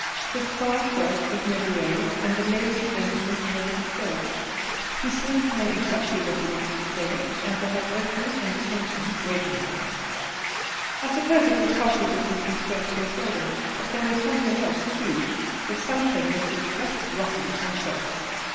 His quiet voice was never raised, and the lazy gentleness never disturbed; he seemed to know exactly what he wanted to say, and to have opening and attention waiting for him. I suppose it was partly because he spoke so seldom: but there was something else too the something that was just Rocky himself.